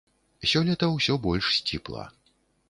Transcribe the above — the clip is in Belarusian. Сёлета ўсё больш сціпла.